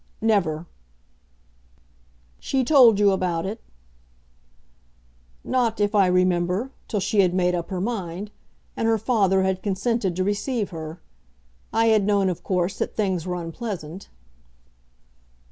"Never!" "She told you about it?" "Not, if I remember, till she had made up her mind, and her father had consented to receive her. I had known, of course, that things were unpleasant."